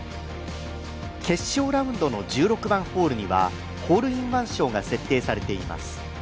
決勝ラウンドの１６番ホールには、ホールインワン賞が設定されています。